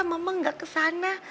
mama gak kesana